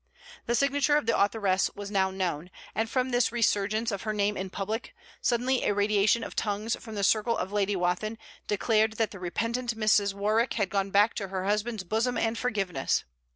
The signature of the authoress was now known; and from this resurgence of her name in public, suddenly a radiation of tongues from the circle of Lady Wathin declared that the repentant Mrs. Warwick had gone back to her husband's bosom and forgiveness!